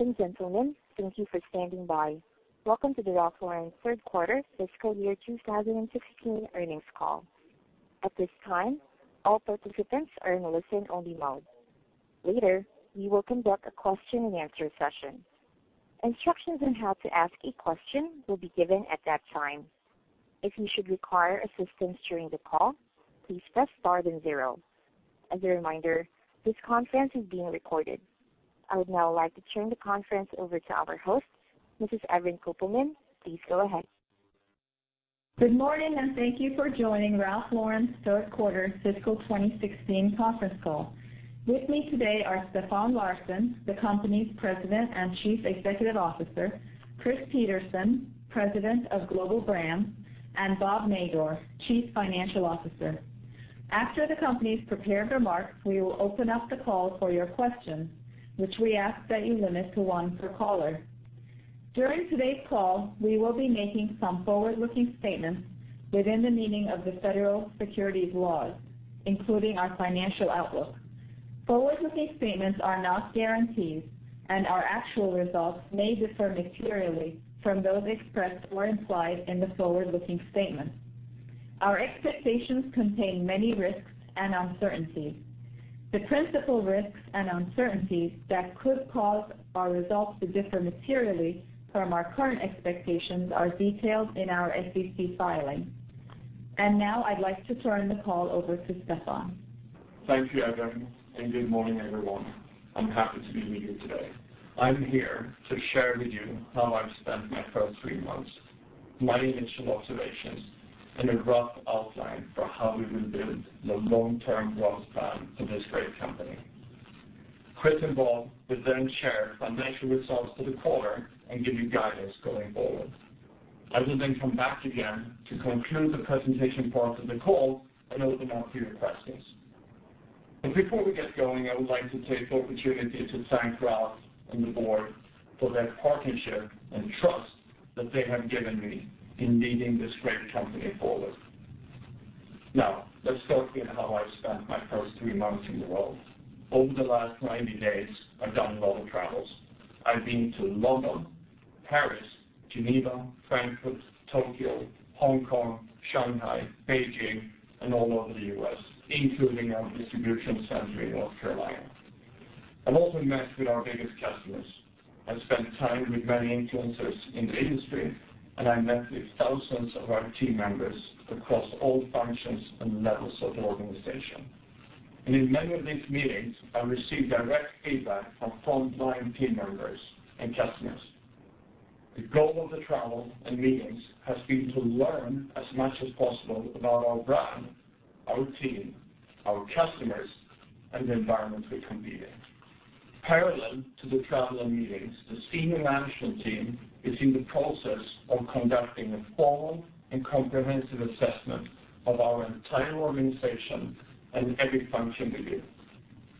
Ladies and gentlemen, thank you for standing by. Welcome to the Ralph Lauren third quarter fiscal year 2016 earnings call. At this time, all participants are in a listen-only mode. Later, we will conduct a question and answer session. Instructions on how to ask a question will be given at that time. If you should require assistance during the call, please press star then zero. As a reminder, this conference is being recorded. I would now like to turn the conference over to our host, Mrs. Evren Kopelman. Please go ahead. Good morning, and thank you for joining Ralph Lauren's third quarter fiscal 2016 conference call. With me today are Stefan Larsson, the company's President and Chief Executive Officer, Chris Peterson, President of Global Brands, and Bob Madore, Chief Financial Officer. After the company's prepared remarks, we will open up the call for your questions, which we ask that you limit to one per caller. During today's call, we will be making some forward-looking statements within the meaning of the federal securities laws, including our financial outlook. Forward-looking statements are not guarantees, and our actual results may differ materially from those expressed or implied in the forward-looking statements. Our expectations contain many risks and uncertainties. The principal risks and uncertainties that could cause our results to differ materially from our current expectations are detailed in our SEC filings. Now I'd like to turn the call over to Stefan. Thank you, Evren, and good morning, everyone. I'm happy to be with you today. I'm here to share with you how I've spent my first three months, my initial observations, and a rough outline for how we will build the long-term growth plan for this great company. Chris and Bob will then share financial results for the quarter and give you guidance going forward. I will then come back again to conclude the presentation part of the call and open up for your questions. But before we get going, I would like to take the opportunity to thank Ralph and the board for their partnership and trust that they have given me in leading this great company forward. Now, let's start with how I've spent my first three months in the role. Over the last 90 days, I've done a lot of travels. I've been to London, Paris, Geneva, Frankfurt, Tokyo, Hong Kong, Shanghai, Beijing, and all over the U.S., including our distribution center in North Carolina. I've also met with our biggest customers. I've spent time with many influencers in the industry, and I met with thousands of our team members across all functions and levels of the organization. In many of these meetings, I received direct feedback from frontline team members and customers. The goal of the travel and meetings has been to learn as much as possible about our brand, our team, our customers, and the environment we compete in. Parallel to the travel and meetings, the senior management team is in the process of conducting a formal and comprehensive assessment of our entire organization and every function we do.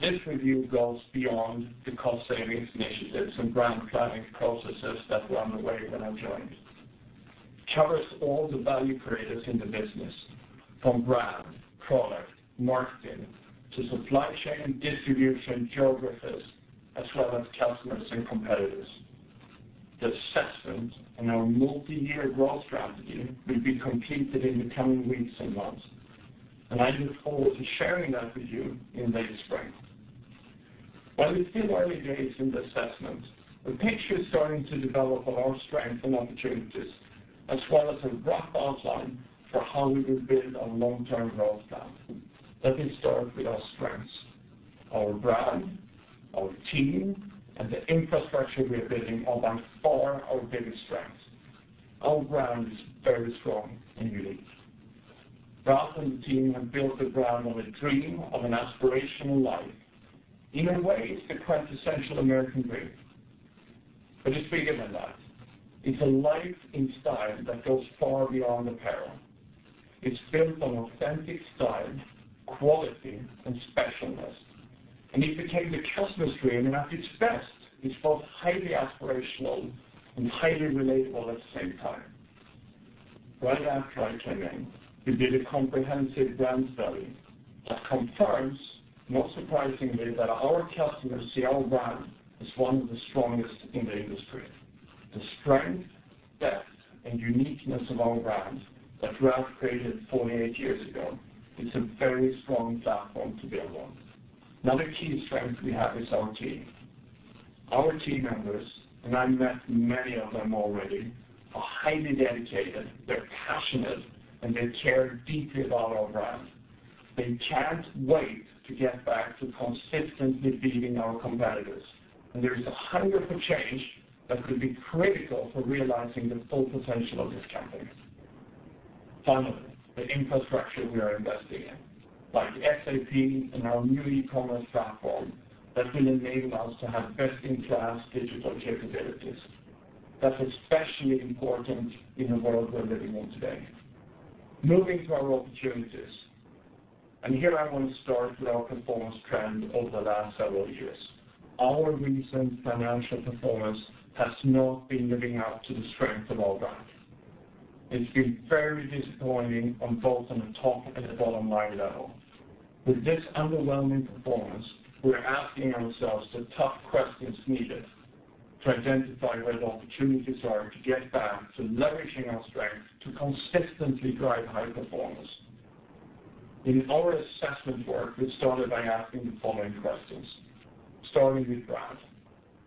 This review goes beyond the cost-savings initiatives and brand planning processes that were underway when I joined. It covers all the value creators in the business, from brand, product, marketing, to supply chain, distribution, geographies, as well as customers and competitors. The assessments and our multi-year growth strategy will be completed in the coming weeks and months, and I look forward to sharing that with you in late spring. While it's still early days in the assessment, the picture is starting to develop of our strengths and opportunities, as well as a rough outline for how we will build a long-term growth plan. Let me start with our strengths. Our brand, our team, and the infrastructure we are building are by far our biggest strengths. Our brand is very strong and unique. Ralph and the team have built the brand on a dream of an aspirational life. In a way, it's the quintessential American dream. It's bigger than that. It's a life in style that goes far beyond apparel. It's built on authentic style, quality, and specialness, and it became the customer's dream, and at its best, it's both highly aspirational and highly relatable at the same time. Right after I came in, we did a comprehensive brand study that confirms, not surprisingly, that our customers see our brand as one of the strongest in the industry. The strength, depth, and uniqueness of our brand that Ralph created 48 years ago is a very strong platform to build on. Another key strength we have is our team. Our team members, and I met many of them already, are highly dedicated, they're passionate, and they care deeply about our brand. They can't wait to get back to consistently beating our competitors, and there is a hunger for change that could be critical for realizing the full potential of this company. Finally, the infrastructure we are investing in, like SAP and our new e-commerce platform that will enable us to have best-in-class digital capabilities. That's especially important in the world we're living in today. Moving to our opportunities, here I want to start with our performance trend over the last several years. Our recent financial performance has not been living up to the strength of our brand. It's been very disappointing on both the top and the bottom line level. With this underwhelming performance, we're asking ourselves the tough questions needed to identify where the opportunities are to get back to leveraging our strengths to consistently drive high performance. In our assessment work, we started by asking the following questions, starting with brand.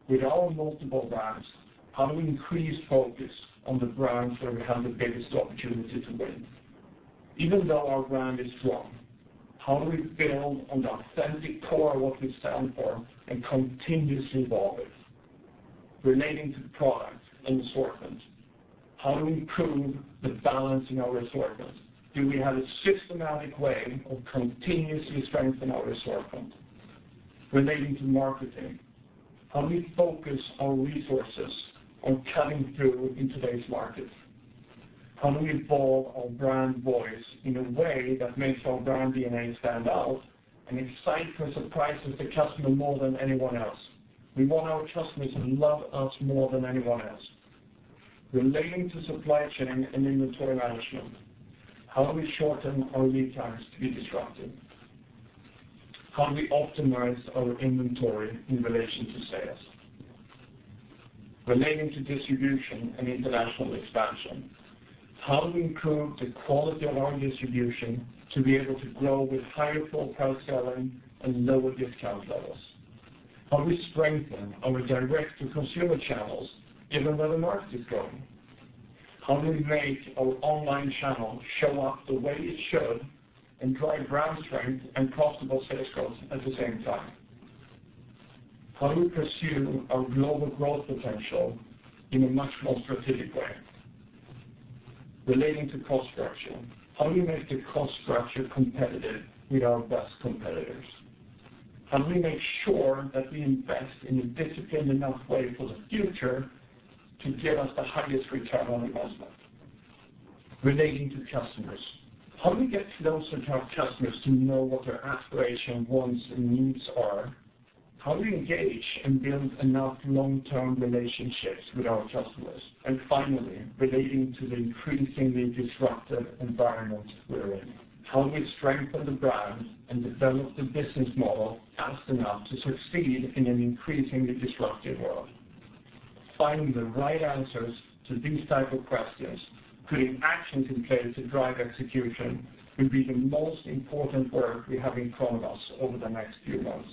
With our multiple brands, how do we increase focus on the brands where we have the biggest opportunity to win? Even though our brand is strong, how do we build on the authentic core of what we stand for and continuously evolve it? Relating to the product and assortment, how do we improve the balance in our assortment? Do we have a systematic way of continuously strengthening our assortment? Relating to marketing, how do we focus our resources on cutting through in today's market? How do we evolve our brand voice in a way that makes our brand DNA stand out and excites and surprises the customer more than anyone else? We want our customers to love us more than anyone else. Relating to supply chain and inventory management, how do we shorten our lead times to be disruptive? How do we optimize our inventory in relation to sales? Relating to distribution and international expansion, how do we improve the quality of our distribution to be able to grow with higher full-price selling and lower discount levels? How do we strengthen our direct-to-consumer channels even though the market is growing? How do we make our online channel show up the way it should and drive brand strength and profitable sales growth at the same time? How do we pursue our global growth potential in a much more strategic way? Relating to cost structure, how do we make the cost structure competitive with our best competitors? How do we make sure that we invest in a disciplined enough way for the future to get us the highest return on investment? Relating to customers, how do we get closer to our customers to know what their aspiration, wants, and needs are? How do we engage and build enough long-term relationships with our customers? Finally, relating to the increasingly disruptive environment we're in, how do we strengthen the brand and develop the business model fast enough to succeed in an increasingly disruptive world? Finding the right answers to these type of questions, putting actions in place to drive execution, will be the most important work we have in front of us over the next few months.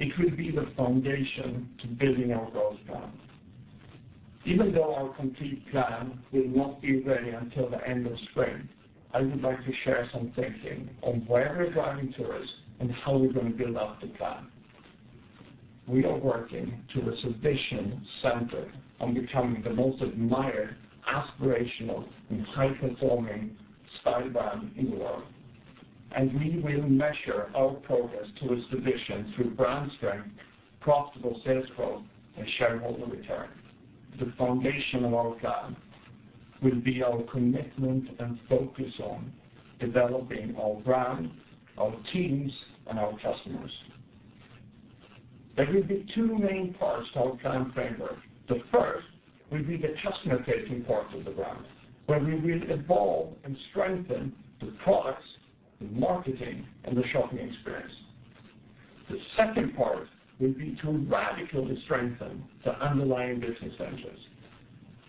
It will be the foundation to building our growth plan. Even though our complete plan will not be ready until the end of spring, I would like to share some thinking on where we're driving towards and how we're going to build out the plan. We are working towards a vision centered on becoming the most admired, aspirational, and high-performing style brand in the world. We will measure our progress towards the vision through brand strength, profitable sales growth, and shareholder return. The foundation of our plan will be our commitment and focus on developing our brand, our teams, and our customers. There will be two main parts to our plan framework. The first will be the customer-facing parts of the brand, where we will evolve and strengthen the products, the marketing, and the shopping experience. The second part will be to radically strengthen the underlying business engines.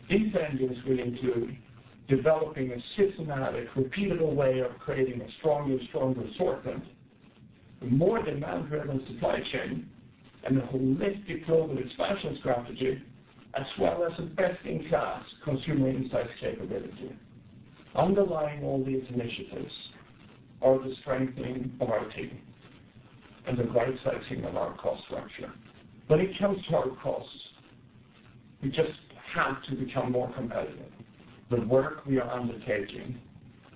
These engines will include developing a systematic, repeatable way of creating a stronger and stronger assortment, a more demand-driven supply chain, and a holistic global expansion strategy, as well as a best-in-class consumer insight capability. Underlying all these initiatives are the strengthening of our team and the right-sizing of our cost structure. When it comes to our costs, we just have to become more competitive. The work we are undertaking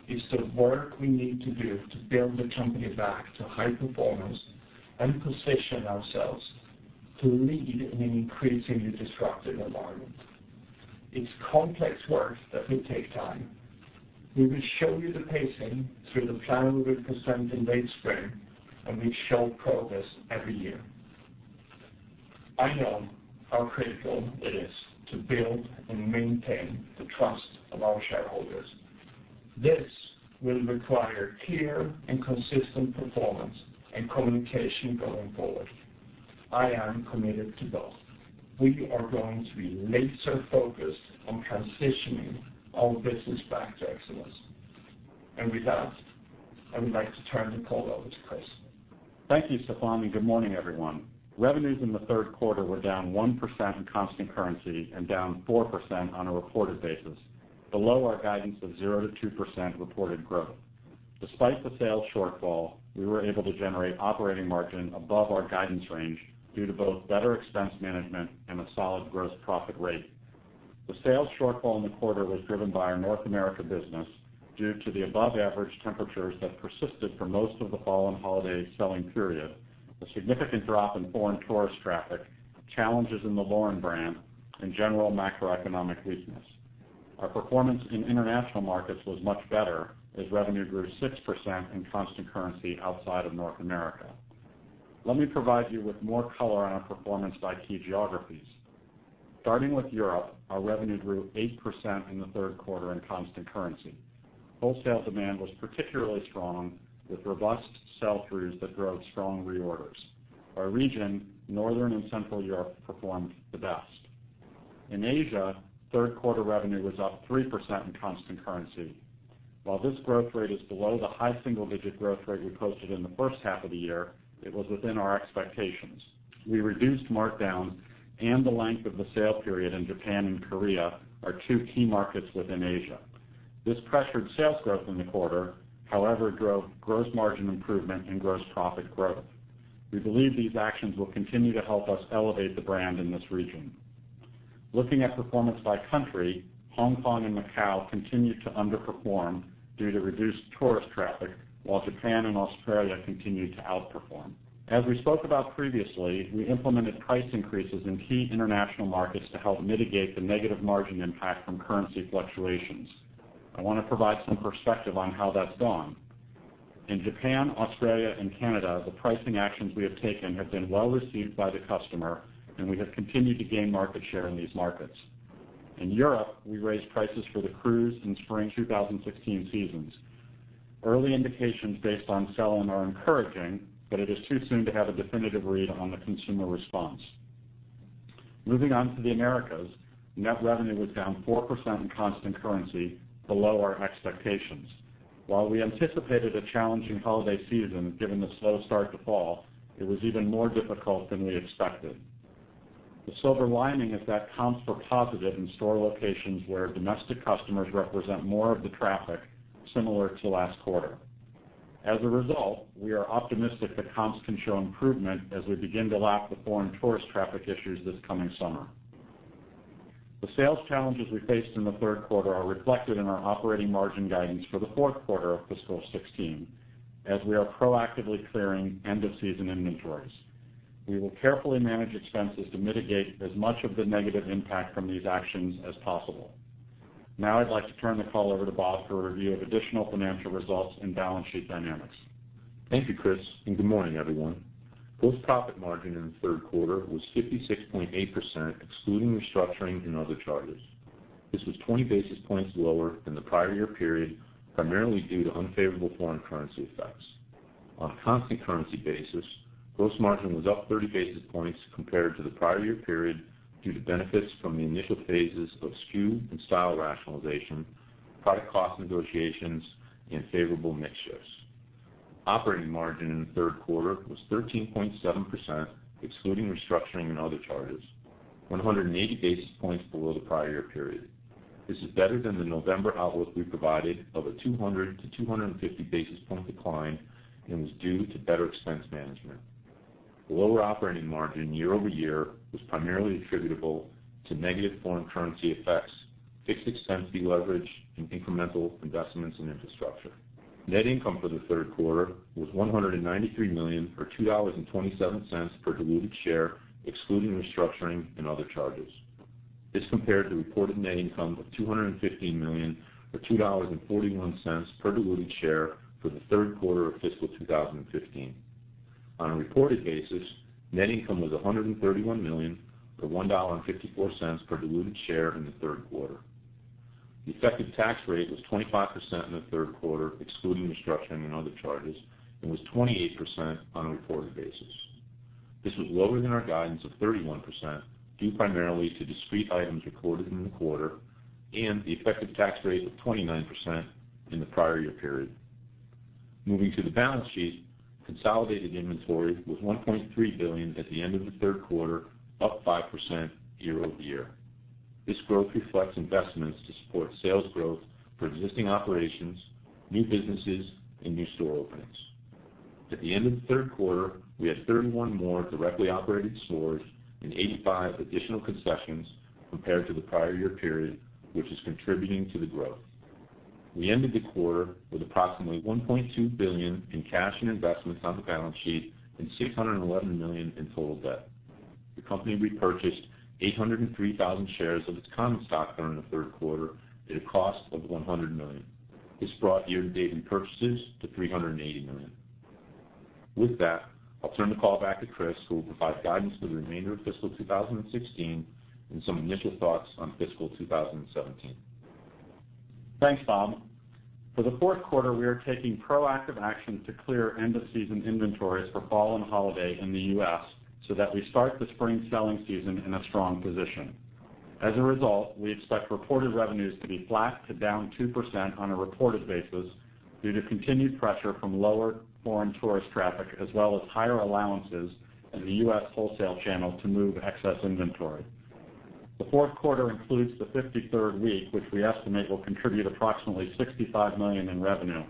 is the work we need to do to build the company back to high performance and position ourselves to lead in an increasingly disruptive environment. It's complex work that will take time. We will show you the pacing through the plan we will present in late spring, and we show progress every year. I know how critical it is to build and maintain the trust of our shareholders. This will require clear and consistent performance and communication going forward. I am committed to both. We are going to be laser-focused on transitioning our business back to excellence. With that, I would like to turn the call over to Chris. Thank you, Stefan, and good morning, everyone. Revenues in the third quarter were down 1% in constant currency and down 4% on a reported basis, below our guidance of 0% to 2% reported growth. Despite the sales shortfall, we were able to generate operating margin above our guidance range due to both better expense management and a solid gross profit rate. The sales shortfall in the quarter was driven by our North America business due to the above-average temperatures that persisted for most of the fall and holiday selling period, a significant drop in foreign tourist traffic, challenges in the Lauren brand, and general macroeconomic weakness. Our performance in international markets was much better, as revenue grew 6% in constant currency outside of North America. Let me provide you with more color on our performance by key geographies. Starting with Europe, our revenue grew 8% in the third quarter in constant currency. Wholesale demand was particularly strong, with robust sell-throughs that drove strong reorders. Our region, Northern and Central Europe, performed the best. In Asia, third-quarter revenue was up 3% in constant currency. While this growth rate is below the high single-digit growth rate we posted in the first half of the year, it was within our expectations. We reduced markdowns and the length of the sale period in Japan and Korea, our two key markets within Asia. This pressured sales growth in the quarter, however, drove gross margin improvement and gross profit growth. We believe these actions will continue to help us elevate the brand in this region. Looking at performance by country, Hong Kong and Macau continued to underperform due to reduced tourist traffic, while Japan and Australia continued to outperform. As we spoke about previously, we implemented price increases in key international markets to help mitigate the negative margin impact from currency fluctuations. I want to provide some perspective on how that's gone. In Japan, Australia, and Canada, the pricing actions we have taken have been well-received by the customer, and we have continued to gain market share in these markets. In Europe, we raised prices for the cruise and spring 2016 seasons. Early indications based on selling are encouraging, but it is too soon to have a definitive read on the consumer response. Moving on to the Americas, net revenue was down 4% in constant currency, below our expectations. While we anticipated a challenging holiday season given the slow start to fall, it was even more difficult than we expected. The silver lining is that comps were positive in store locations where domestic customers represent more of the traffic, similar to last quarter. As a result, we are optimistic that comps can show improvement as we begin to lap the foreign tourist traffic issues this coming summer. The sales challenges we faced in the third quarter are reflected in our operating margin guidance for the fourth quarter of fiscal 2016, as we are proactively clearing end-of-season inventories. We will carefully manage expenses to mitigate as much of the negative impact from these actions as possible. Now I'd like to turn the call over to Bob for a review of additional financial results and balance sheet dynamics. Thank you, Chris, and good morning, everyone. Gross profit margin in the third quarter was 56.8%, excluding restructuring and other charges. This was 20 basis points lower than the prior year period, primarily due to unfavorable foreign currency effects. On a constant currency basis, gross margin was up 30 basis points compared to the prior year period due to benefits from the initial phases of SKU and style rationalization, product cost negotiations, and favorable mix shifts. Operating margin in the third quarter was 13.7%, excluding restructuring and other charges, 180 basis points below the prior year period. This is better than the November outlook we provided of a 200 to 250 basis point decline and was due to better expense management. Lower operating margin year-over-year was primarily attributable to negative foreign currency effects, fixed expense deleverage, and incremental investments in infrastructure. Net income for the third quarter was $193 million, or $2.27 per diluted share, excluding restructuring and other charges. This compared to reported net income of $215 million, or $2.41 per diluted share for the third quarter of fiscal 2015. On a reported basis, net income was $131 million, or $1.54 per diluted share in the third quarter. The effective tax rate was 25% in the third quarter, excluding restructuring and other charges, and was 28% on a reported basis. This was lower than our guidance of 31%, due primarily to discrete items recorded in the quarter and the effective tax rate of 29% in the prior year period. Moving to the balance sheet, consolidated inventory was $1.3 billion at the end of the third quarter, up 5% year-over-year. This growth reflects investments to support sales growth for existing operations, new businesses, and new store openings. At the end of the third quarter, we had 31 more directly operated stores and 85 additional concessions compared to the prior year period, which is contributing to the growth. We ended the quarter with approximately $1.2 billion in cash and investments on the balance sheet and $611 million in total debt. The company repurchased 803,000 shares of its common stock during the third quarter at a cost of $100 million. This brought year-to-date repurchases to $380 million. With that, I'll turn the call back to Chris, who will provide guidance for the remainder of fiscal 2016 and some initial thoughts on fiscal 2017. Thanks, Bob. For the fourth quarter, we are taking proactive action to clear end-of-season inventories for fall and holiday in the U.S. that we start the spring selling season in a strong position. As a result, we expect reported revenues to be flat to down 2% on a reported basis due to continued pressure from lower foreign tourist traffic as well as higher allowances in the U.S. wholesale channel to move excess inventory. The fourth quarter includes the 53rd week, which we estimate will contribute approximately $65 million in revenue.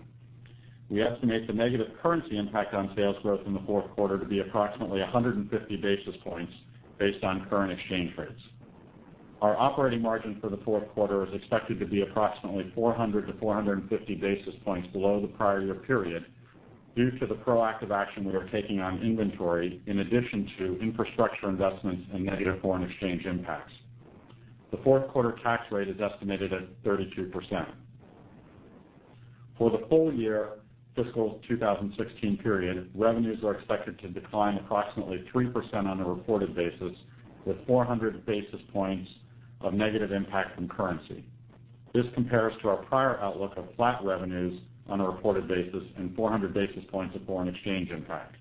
We estimate the negative currency impact on sales growth in the fourth quarter to be approximately 150 basis points, based on current exchange rates. Our operating margin for the fourth quarter is expected to be approximately 400 to 450 basis points below the prior year period due to the proactive action we are taking on inventory, in addition to infrastructure investments and negative foreign exchange impacts. The fourth quarter tax rate is estimated at 32%. For the full year fiscal 2016 period, revenues are expected to decline approximately 3% on a reported basis, with 400 basis points of negative impact from currency. This compares to our prior outlook of flat revenues on a reported basis and 400 basis points of foreign exchange impact.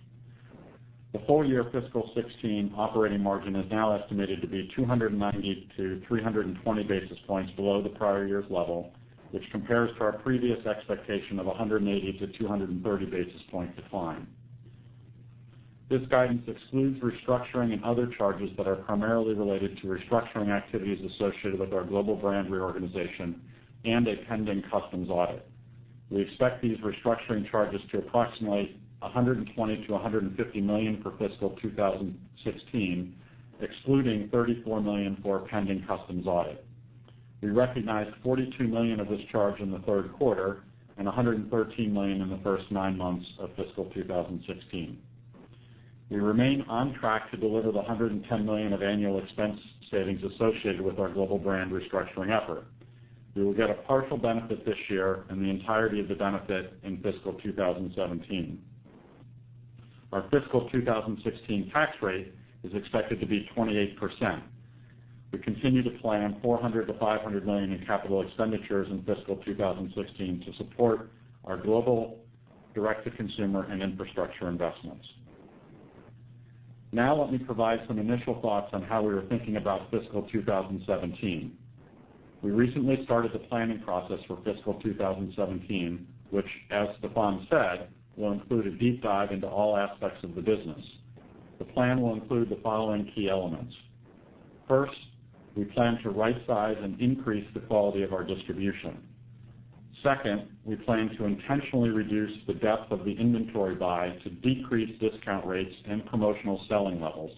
The full year fiscal 2016 operating margin is now estimated to be 290 to 320 basis points below the prior year's level, which compares to our previous expectation of 180 to 230 basis point decline. This guidance excludes restructuring and other charges that are primarily related to restructuring activities associated with our global brand reorganization and a pending customs audit. We expect these restructuring charges to approximately $120 million to $150 million for fiscal 2016, excluding $34 million for a pending customs audit. We recognized $42 million of this charge in the third quarter and $113 million in the first nine months of fiscal 2016. We remain on track to deliver the $110 million of annual expense savings associated with our global brand restructuring effort. We will get a partial benefit this year and the entirety of the benefit in fiscal 2017. Our fiscal 2016 tax rate is expected to be 28%. We continue to plan $400 million to $500 million in capital expenditures in fiscal 2016 to support our global direct-to-consumer and infrastructure investments. Let me provide some initial thoughts on how we are thinking about fiscal 2017. We recently started the planning process for fiscal 2017, which, as Stefan said, will include a deep dive into all aspects of the business. The plan will include the following key elements. First, we plan to rightsize and increase the quality of our distribution. Second, we plan to intentionally reduce the depth of the inventory buy to decrease discount rates and promotional selling levels.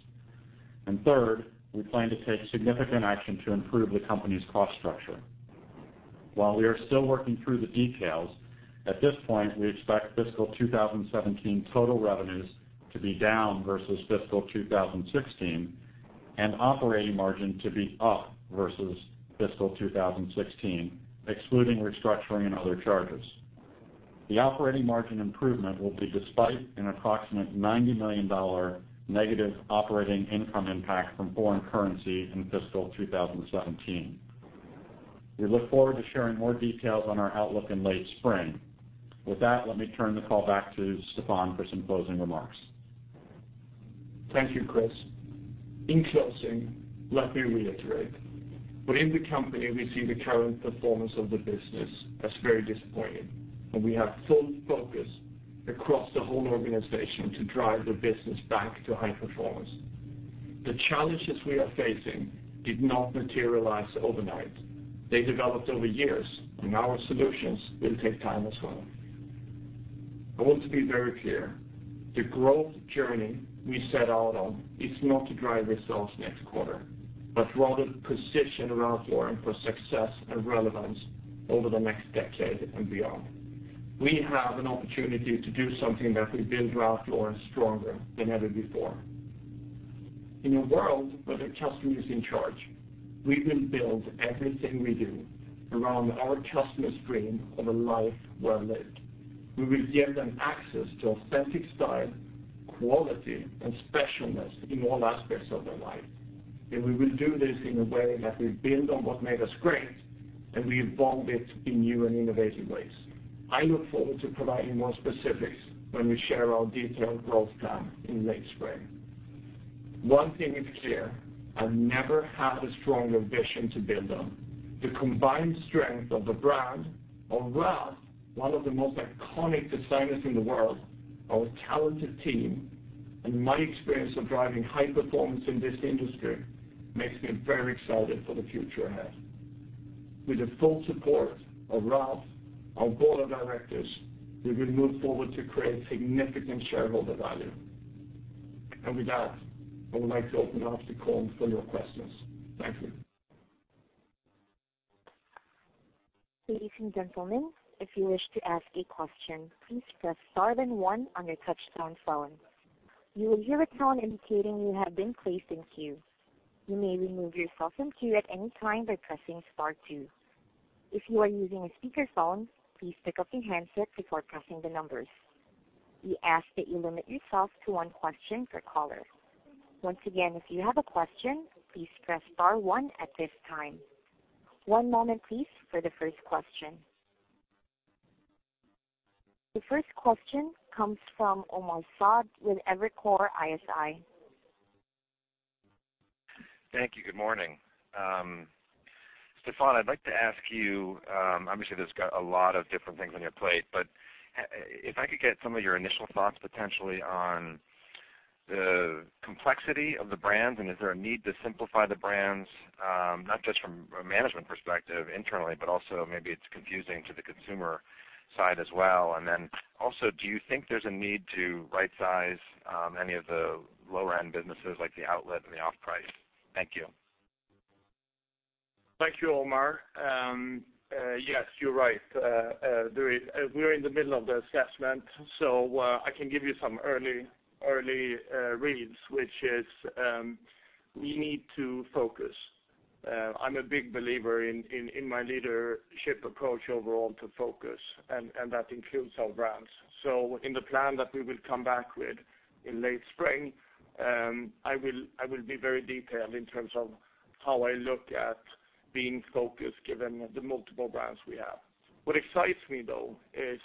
Third, we plan to take significant action to improve the company's cost structure. While we are still working through the details, at this point, we expect fiscal 2017 total revenues to be down versus fiscal 2016 and operating margin to be up versus fiscal 2016, excluding restructuring and other charges. The operating margin improvement will be despite an approximate $90 million negative operating income impact from foreign currency in fiscal 2017. We look forward to sharing more details on our outlook in late spring. With that, let me turn the call back to Stefan for some closing remarks. Thank you, Chris. In closing, let me reiterate. Within the company, we see the current performance of the business as very disappointing, and we have full focus across the whole organization to drive the business back to high performance. The challenges we are facing did not materialize overnight. They developed over years, and our solutions will take time as well. I want to be very clear. The growth journey we set out on is not to drive results next quarter, but rather to position Ralph Lauren for success and relevance over the next decade and beyond. We have an opportunity to do something that will build Ralph Lauren stronger than ever before. In a world where the customer is in charge, we will build everything we do around our customer's dream of a life well lived. We will give them access to authentic style, quality, and specialness in all aspects of their life. We will do this in a way that we build on what made us great, and we evolve it in new and innovative ways. I look forward to providing more specifics when we share our detailed growth plan in late spring. One thing is clear, I've never had a stronger vision to build on. The combined strength of the brand of Ralph, one of the most iconic designers in the world, our talented team, and my experience of driving high performance in this industry makes me very excited for the future ahead. With the full support of Ralph, our board of directors, we will move forward to create significant shareholder value. With that, I would like to open up the call for your questions. Thank you. Ladies and gentlemen, if you wish to ask a question, please press star then one on your touchtone phone. You will hear a tone indicating you have been placed in queue. You may remove yourself from queue at any time by pressing star two. If you are using a speakerphone, please pick up your handset before pressing the numbers. We ask that you limit yourself to one question per caller. Once again, if you have a question, please press star one at this time. One moment please for the first question. The first question comes from Omar Saad with Evercore ISI. Thank you. Good morning. Stefan, I'd like to ask you, obviously, there's a lot of different things on your plate, but if I could get some of your initial thoughts potentially on the complexity of the brands, and is there a need to simplify the brands? Not just from a management perspective internally, but also maybe it's confusing to the consumer side as well. Then also, do you think there's a need to rightsize any of the lower-end businesses like the outlet and the off-price? Thank you. Thank you, Omar. Yes, you're right. We're in the middle of the assessment. I can give you some early reads, which is, we need to focus. I'm a big believer in my leadership approach overall to focus, and that includes our brands. In the plan that we will come back with in late spring, I will be very detailed in terms of how I look at being focused given the multiple brands we have. What excites me, though, is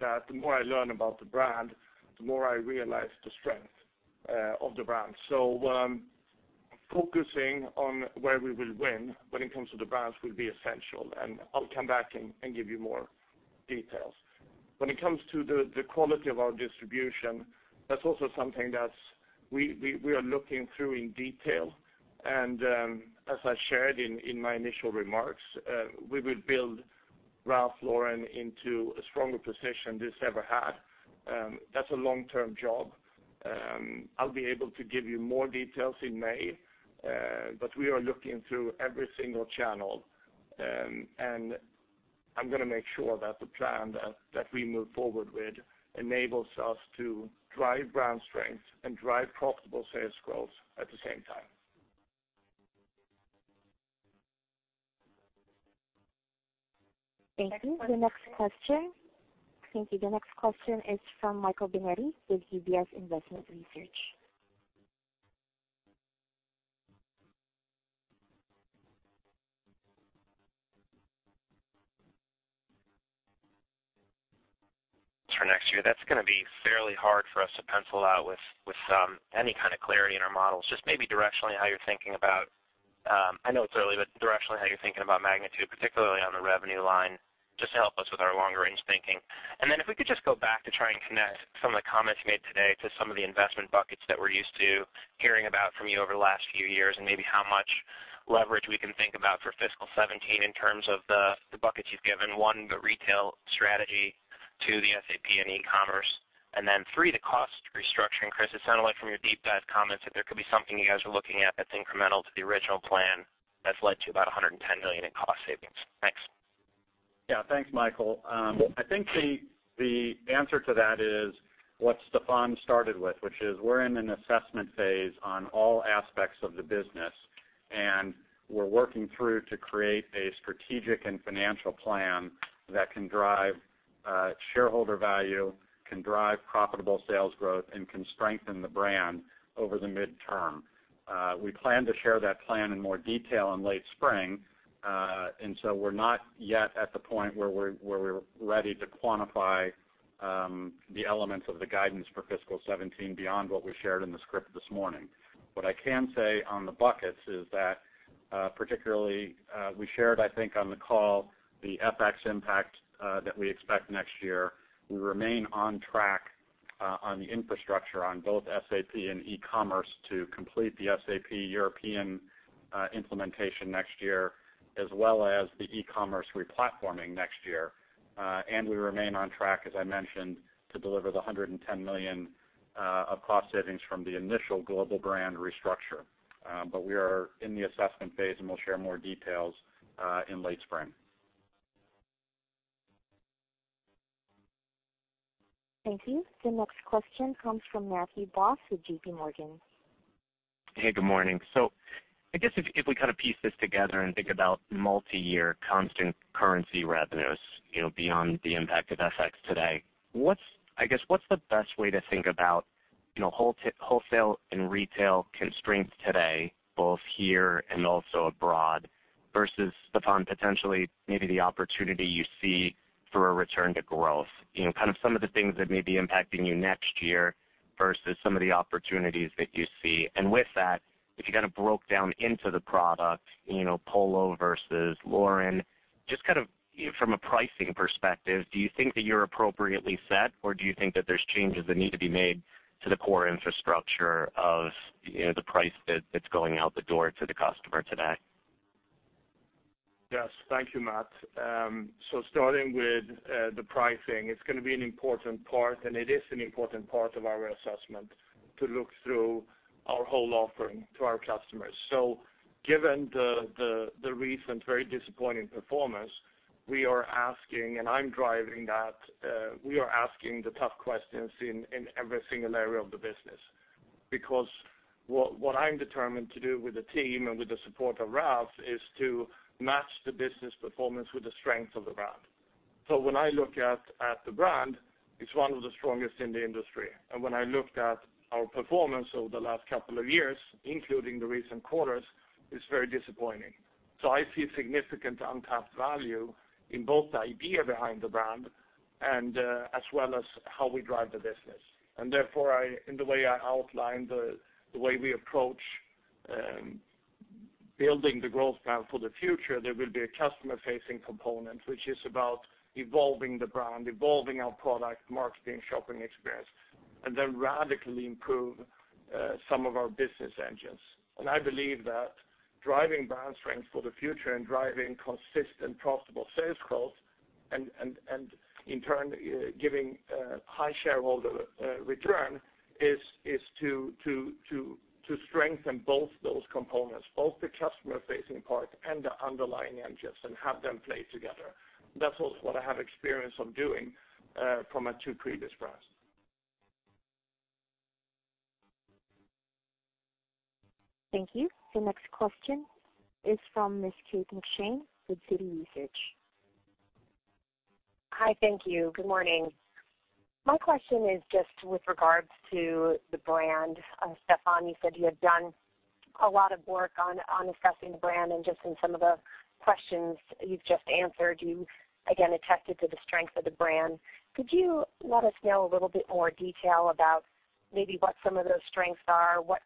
that the more I learn about the brand, the more I realize the strength of the brand. Focusing on where we will win when it comes to the brands will be essential, and I'll come back and give you more details. When it comes to the quality of our distribution, that's also something that we are looking through in detail. As I shared in my initial remarks, we will build Ralph Lauren into a stronger position it's ever had. That's a long-term job. I'll be able to give you more details in May, but we are looking through every single channel, and I'm going to make sure that the plan that we move forward with enables us to drive brand strength and drive profitable sales growth at the same time. Thank you. The next question is from Michael Binetti with UBS Investment Research. For next year. That's going to be fairly hard for us to pencil out with any kind of clarity in our models. Just maybe directionally how you're thinking about, I know it's early, but directionally how you're thinking about magnitude, particularly on the revenue line, just to help us with our longer-range thinking. Then if we could just go back to try and connect some of the comments you made today to some of the investment buckets that we're used to hearing about from you over the last few years, and maybe how much leverage we can think about for fiscal 2017 in terms of the buckets you've given. One, the retail strategy, two, the SAP and e-commerce, and then three, the cost restructuring. Chris, it sounded like from your deep dive comments that there could be something you guys are looking at that's incremental to the original plan that's led to about $110 million in cost savings. Thanks. Yeah. Thanks, Michael. I think the answer to that is what Stefan started with, which is we're in an assessment phase on all aspects of the business, and we're working through to create a strategic and financial plan that can drive shareholder value, can drive profitable sales growth, and can strengthen the brand over the midterm. We plan to share that plan in more detail in late spring. So we're not yet at the point where we're ready to quantify the elements of the guidance for fiscal 2017 beyond what we shared in the script this morning. What I can say on the buckets is that, particularly, we shared, I think, on the call the FX impact that we expect next year. We remain on track on the infrastructure on both SAP and e-commerce to complete the SAP European implementation next year, as well as the e-commerce re-platforming next year. We remain on track, as I mentioned, to deliver the $110 million of cost savings from the initial global brand restructure. We are in the assessment phase, and we'll share more details in late spring. Thank you. The next question comes from Matthew Boss with JPMorgan. Hey, good morning. I guess if we piece this together and think about multi-year constant currency revenues, beyond the impact of FX today, what's the best way to think about wholesale and retail constraints today, both here and also abroad, versus, Stefan, potentially maybe the opportunity you see for a return to growth? Kind of some of the things that may be impacting you next year versus some of the opportunities that you see. With that, if you broke down into the product, Polo versus Lauren, just from a pricing perspective, do you think that you're appropriately set, or do you think that there's changes that need to be made to the core infrastructure of the price that's going out the door to the customer today? Yes. Thank you, Matt. Starting with the pricing, it's going to be an important part, and it is an important part of our assessment to look through our whole offering to our customers. Given the recent very disappointing performance, we are asking, and I'm driving that, we are asking the tough questions in every single area of the business. What I'm determined to do with the team and with the support of Ralph is to match the business performance with the strength of the brand. When I look at the brand, it's one of the strongest in the industry. When I looked at our performance over the last couple of years, including the recent quarters, it's very disappointing. I see significant untapped value in both the idea behind the brand and as well as how we drive the business. Therefore, in the way I outlined, the way we approach building the growth plan for the future, there will be a customer-facing component, which is about evolving the brand, evolving our product, marketing, shopping experience, and then radically improve some of our business engines. I believe that driving brand strength for the future and driving consistent profitable sales growth, and in turn giving high shareholder return, is to strengthen both those components, both the customer-facing part and the underlying engines, and have them play together. That's also what I have experience of doing from my two previous brands. Thank you. The next question is from Ms. Kate McShane with Citi Research. Hi, thank you. Good morning. My question is just with regards to the brand. Stefan, you said you had done a lot of work on assessing the brand, and just in some of the questions you've just answered, you again attested to the strength of the brand. Could you let us know a little bit more detail about maybe what some of those strengths are, what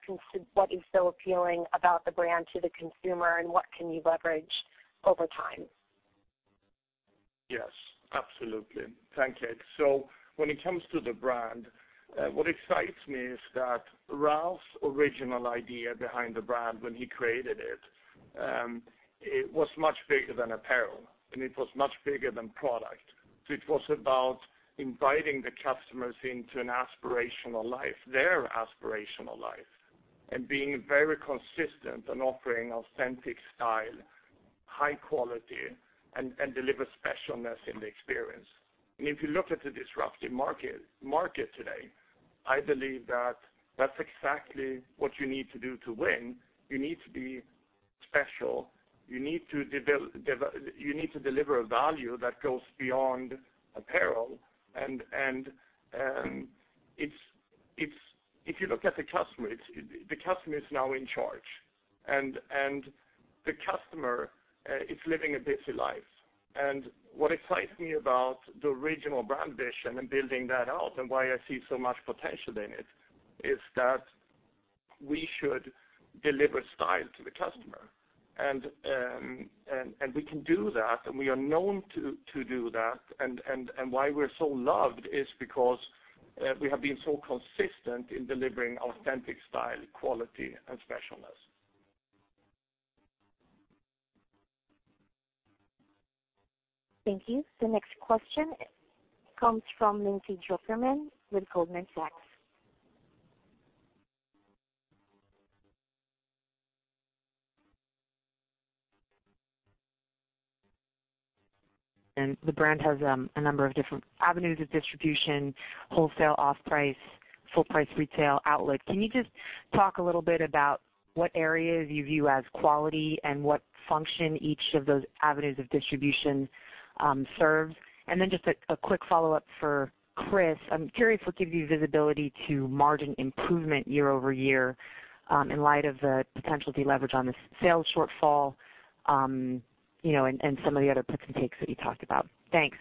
is so appealing about the brand to the consumer, and what can you leverage over time? Yes, absolutely. Thank you. When it comes to the brand, what excites me is that Ralph's original idea behind the brand when he created it, was much bigger than apparel, and it was much bigger than product. It was about inviting the customers into an aspirational life, their aspirational life, and being very consistent and offering authentic style, high quality, and deliver specialness in the experience. If you look at the disruptive market today, I believe that that's exactly what you need to do to win. You need to be special. You need to deliver a value that goes beyond apparel. If you look at the customer, the customer is now in charge, and the customer is living a busy life. What excites me about the original brand vision and building that out, and why I see so much potential in it, is that we should deliver style to the customer. We can do that, and we are known to do that. Why we're so loved is because we have been so consistent in delivering authentic style, quality, and specialness. Thank you. The next question comes from Lindsay Drucker Mann with Goldman Sachs. The brand has a number of different avenues of distribution, wholesale, off-price, full-price, retail, outlet. Can you just talk a little bit about what areas you view as quality and what function each of those avenues of distribution serves? Then just a quick follow-up for Chris. I'm curious what gives you visibility to margin improvement year-over-year, in light of the potential deleverage on the sales shortfall, and some of the other puts and takes that you talked about. Thanks.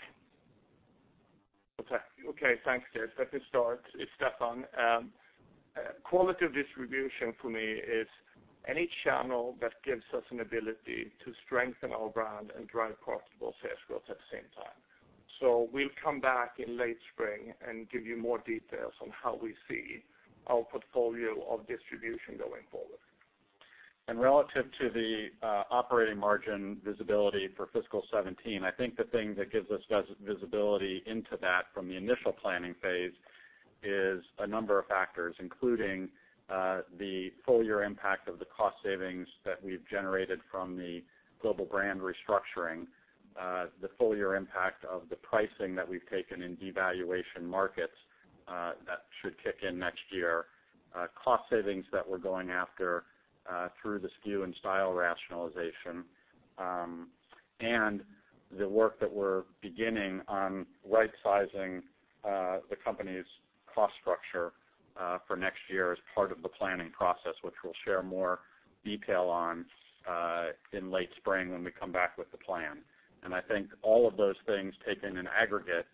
Okay, thanks. Let me start. It's Stefan. Quality of distribution for me is any channel that gives us an ability to strengthen our brand and drive profitable sales growth at the same time. We'll come back in late spring and give you more details on how we see our portfolio of distribution going forward. Relative to the operating margin visibility for fiscal 2017, I think the thing that gives us visibility into that from the initial planning phase is a number of factors, including the full year impact of the cost savings that we've generated from the global brand restructuring, the full year impact of the pricing that we've taken in devaluation markets that should kick in next year, cost savings that we're going after through the SKU and style rationalization, and the work that we're beginning on rightsizing the company's cost structure for next year as part of the planning process, which we'll share more detail on in late spring when we come back with the plan. I think all of those things taken in aggregate,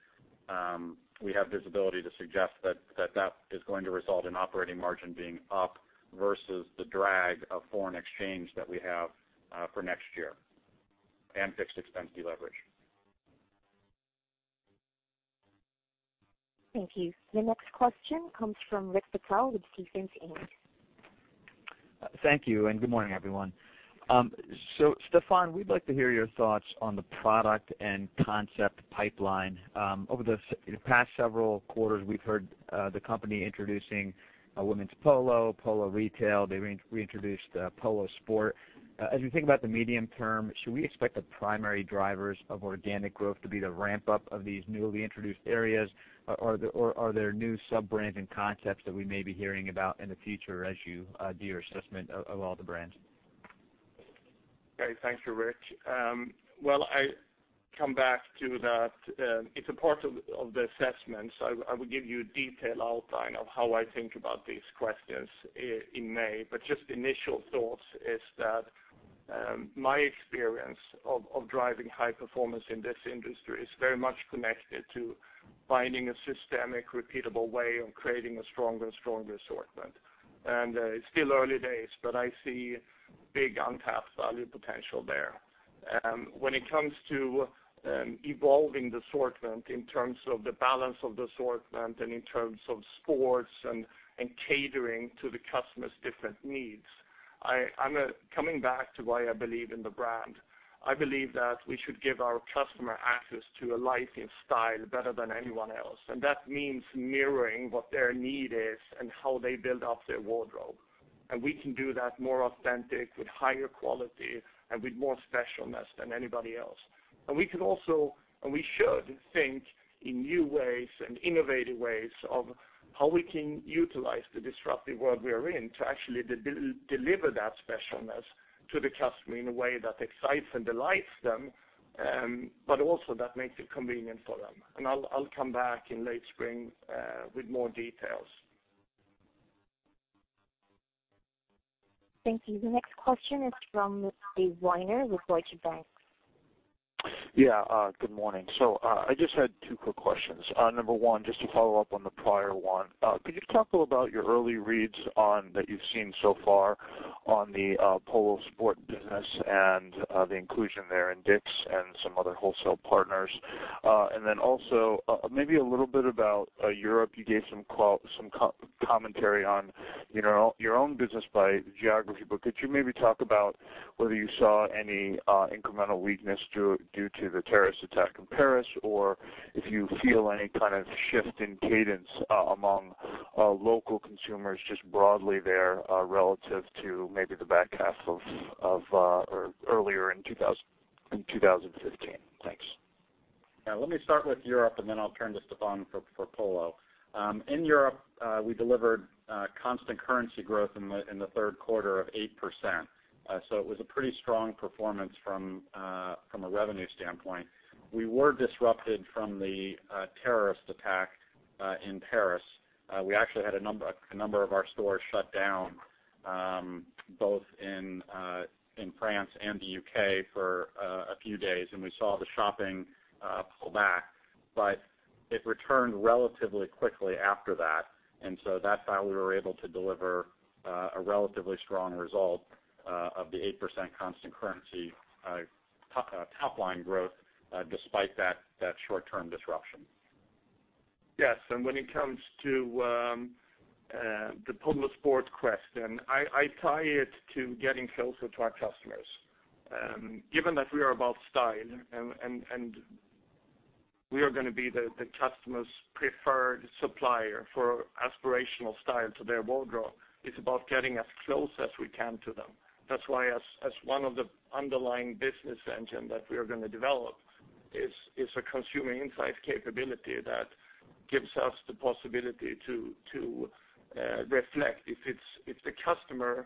we have visibility to suggest that that is going to result in operating margin being up versus the drag of foreign exchange that we have for next year, and fixed expense deleverage. Thank you. The next question comes from Rick Patel with Stephens Inc. Thank you, and good morning, everyone. Stefan, we'd like to hear your thoughts on the product and concept pipeline. Over the past several quarters, we've heard the company introducing a women's Polo retail. They reintroduced Polo Sport. As we think about the medium term, should we expect the primary drivers of organic growth to be the ramp-up of these newly introduced areas, or are there new sub-brands and concepts that we may be hearing about in the future as you do your assessment of all the brands? Okay, thank you, Rich. Well, I come back to that. It's a part of the assessment. I will give you a detailed outline of how I think about these questions in May. Just initial thoughts is that my experience of driving high performance in this industry is very much connected to finding a systemic, repeatable way of creating a stronger and stronger assortment. It's still early days, but I see big untapped value potential there. When it comes to evolving the assortment in terms of the balance of the assortment and in terms of sports and catering to the customer's different needs, I'm coming back to why I believe in the brand. I believe that we should give our customer access to a life in style better than anyone else, and that means mirroring what their need is and how they build up their wardrobe. We can do that more authentic, with higher quality, and with more specialness than anybody else. We could also, and we should think in new ways and innovative ways of how we can utilize the disruptive world we are in to actually deliver that specialness to the customer in a way that excites and delights them, but also that makes it convenient for them. I'll come back in late spring with more details. Thank you. The next question is from David Weiner with Deutsche Bank. Yeah, good morning. I just had two quick questions. Number one, just to follow up on the prior one. Could you talk a little about your early reads that you've seen so far on the Polo Sport business and the inclusion there in Dick's and some other wholesale partners? Then also, maybe a little bit about Europe. You gave some commentary on your own business by geography, but could you maybe talk about whether you saw any incremental weakness due to the terrorist attack in Paris, or if you feel any kind of shift in cadence among local consumers just broadly there, relative to maybe the back half of earlier in 2015? Thanks. Yeah. Let me start with Europe, then I'll turn to Stefan for Polo. In Europe, we delivered constant currency growth in the third quarter of 8%. It was a pretty strong performance from a revenue standpoint. We were disrupted from the terrorist attack in Paris. We actually had a number of our stores shut down, both in France and the U.K. for a few days, we saw the shopping pull back. It returned relatively quickly after that. That's why we were able to deliver a relatively strong result of the 8% constant currency top-line growth, despite that short-term disruption. Yes. When it comes to the Polo Sport question, I tie it to getting closer to our customers. Given that we are about style and we are going to be the customer's preferred supplier for aspirational style to their wardrobe, it's about getting as close as we can to them. That's why as one of the underlying business engine that we are going to develop is a consumer insight capability that gives us the possibility to reflect. If the customer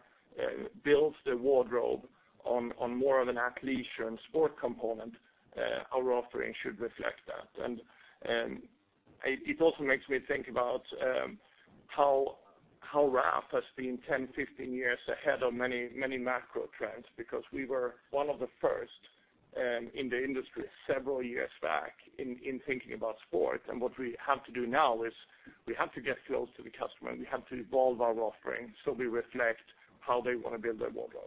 builds their wardrobe on more of an athleisure and sport component, our offering should reflect that. It also makes me think about how Ralph has been 10, 15 years ahead of many macro trends because we were one of the first in the industry several years back in thinking about sport. What we have to do now is we have to get close to the customer, and we have to evolve our offering so we reflect how they want to build their wardrobe.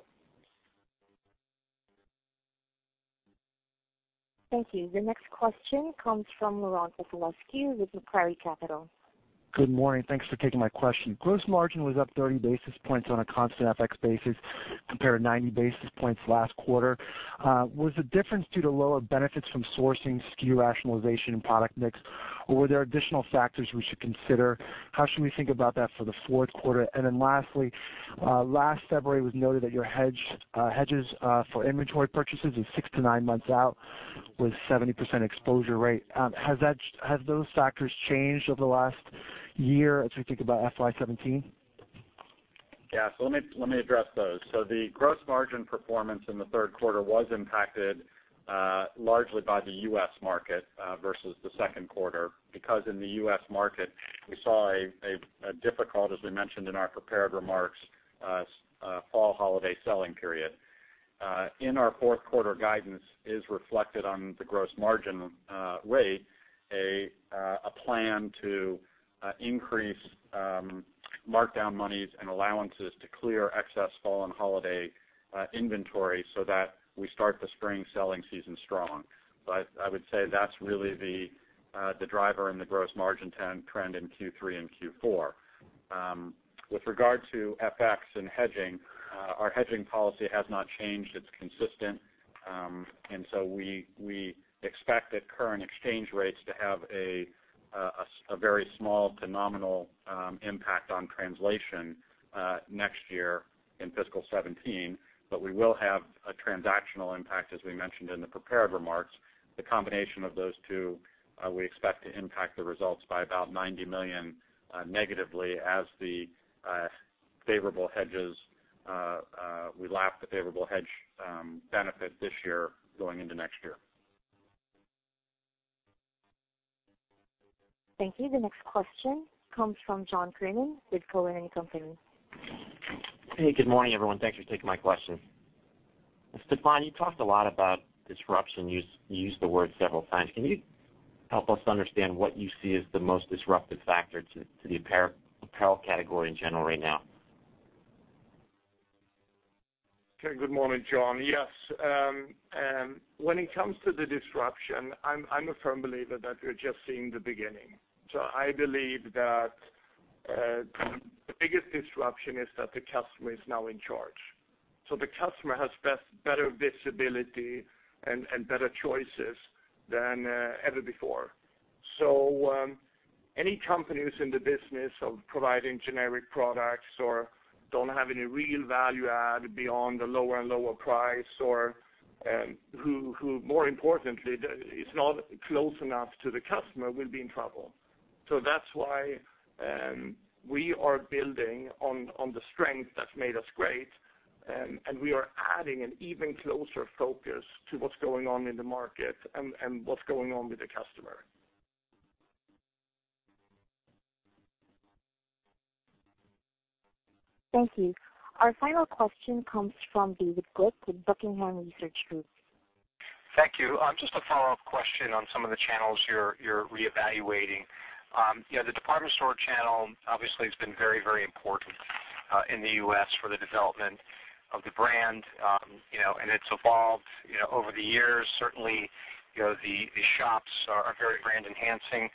Thank you. The next question comes from Laurent Vasilescu with Macquarie Capital. Good morning. Thanks for taking my question. Gross margin was up 30 basis points on a constant FX basis, compared to 90 basis points last quarter. Was the difference due to lower benefits from sourcing SKU rationalization and product mix, or were there additional factors we should consider? How should we think about that for the fourth quarter? Lastly, last February it was noted that your hedges for inventory purchases is 6 to 9 months out with 70% exposure rate. Have those factors changed over the last year as we think about FY 2017? Yeah. Let me address those. The gross margin performance in the third quarter was impacted largely by the U.S. market versus the second quarter, because in the U.S. market, we saw a difficult, as we mentioned in our prepared remarks, fall holiday selling period. In our fourth quarter guidance is reflected on the gross margin rate, a plan to increase markdown monies and allowances to clear excess fall and holiday inventory so that we start the spring selling season strong. I would say that's really the driver in the gross margin trend in Q3 and Q4. With regard to FX and hedging, our hedging policy has not changed. It's consistent. We expect that current exchange rates to have a very small to nominal impact on translation next year in fiscal 2017. We will have a transactional impact, as we mentioned in the prepared remarks. The combination of those two, we expect to impact the results by about $90 million negatively as the favorable hedges. We lap the favorable hedge benefit this year going into next year. Thank you. The next question comes from John Kernan with Cowen and Company. Hey, good morning, everyone. Thanks for taking my question. Stefan, you talked a lot about disruption. You used the word several times. Can you help us understand what you see as the most disruptive factor to the apparel category in general right now? Okay. Good morning, John. Yes. When it comes to the disruption, I'm a firm believer that we're just seeing the beginning. I believe that the biggest disruption is that the customer is now in charge. The customer has better visibility and better choices than ever before. Any company who's in the business of providing generic products or don't have any real value add beyond the lower and lower price, or who more importantly, is not close enough to the customer, will be in trouble. That's why we are building on the strength that's made us great, and we are adding an even closer focus to what's going on in the market and what's going on with the customer. Thank you. Our final question comes from David Glick with Buckingham Research Group. Thank you. Just a follow-up question on some of the channels you're reevaluating. The department store channel obviously has been very important in the U.S. for the development of the brand. It's evolved over the years. Certainly, the shops are very brand enhancing,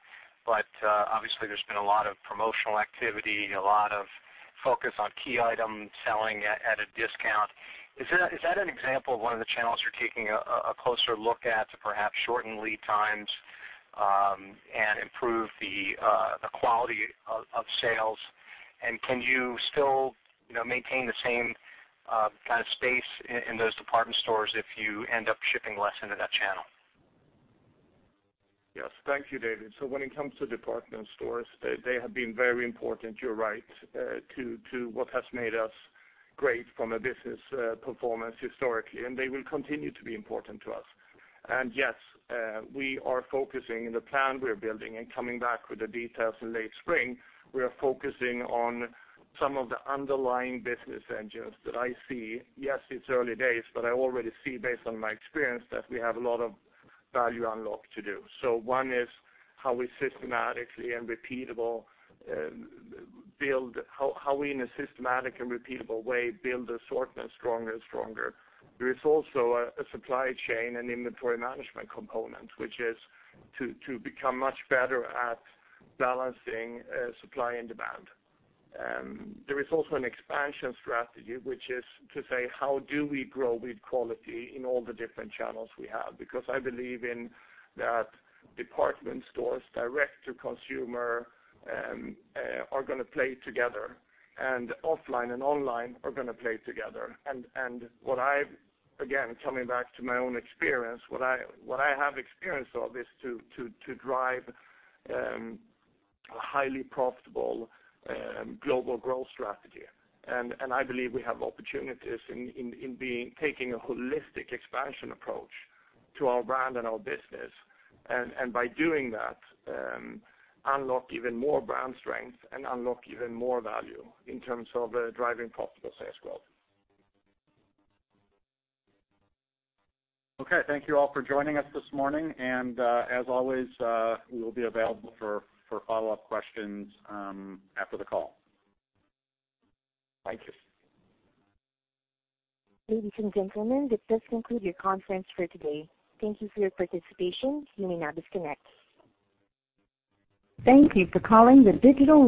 but obviously there's been a lot of promotional activity, a lot of focus on key item selling at a discount. Is that an example of one of the channels you're taking a closer look at to perhaps shorten lead times, and improve the quality of sales? Can you still maintain the same kind of space in those department stores if you end up shipping less into that channel? Yes. Thank you, David. When it comes to department stores, they have been very important, you're right, to what has made us great from a business performance historically, and they will continue to be important to us. Yes, we are focusing in the plan we're building and coming back with the details in late spring. We are focusing on some of the underlying business engines that I see. Yes, it's early days, but I already see based on my experience that we have a lot of value unlock to do. One is how we in a systematic and repeatable way, build assortment stronger and stronger. There is also a supply chain and inventory management component, which is to become much better at balancing supply and demand. There is also an expansion strategy, which is to say, how do we grow with quality in all the different channels we have? I believe in that department stores direct-to-consumer, are going to play together, and offline and online are going to play together. Again, coming back to my own experience, what I have experienced of is to drive a highly profitable, global growth strategy. I believe we have opportunities in taking a holistic expansion approach to our brand and our business. By doing that, unlock even more brand strength and unlock even more value in terms of driving profitable sales growth. Okay. Thank you all for joining us this morning, and, as always, we will be available for follow-up questions after the call. Thank you. Ladies and gentlemen, this does conclude your conference for today. Thank you for your participation. You may now disconnect. Thank you for calling.